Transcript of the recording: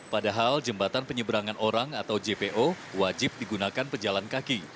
padahal jembatan penyeberangan orang atau jpo wajib digunakan pejalan kaki